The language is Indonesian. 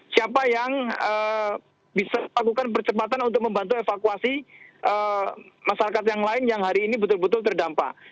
siapa yang bisa lakukan percepatan untuk membantu evakuasi masyarakat yang lain yang hari ini betul betul terdampak